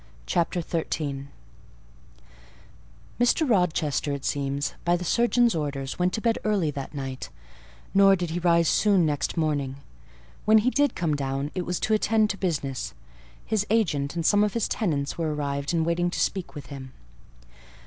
CHAPTER XIII Mr. Rochester, it seems, by the surgeon's orders, went to bed early that night; nor did he rise soon next morning. When he did come down, it was to attend to business: his agent and some of his tenants were arrived, and waiting to speak with him.